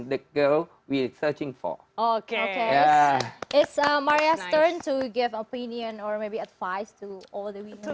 itu yang paling penting perempuan yang kami cari